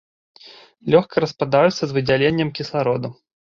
Лёгка распадаюцца з выдзяленнем кіслароду.